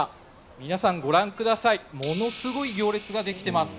皆さんご覧ください、ものすごい行列が出来てます。